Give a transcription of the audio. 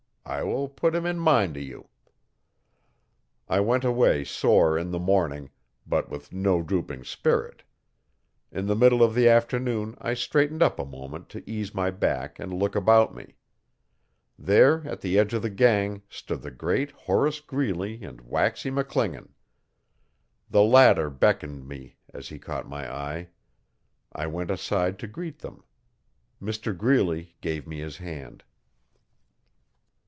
I will put him in mind o'you.' I went away sore in the morning, but with no drooping spirit. In the middle of the afternoon I straightened up a moment to ease my back and look about me. There at the edge of the gang stood the great Horace Greeley and Waxy McClingan. The latter beckoned me as he caught my eye. I went aside to greet them. Mr Greeley gave me his hand.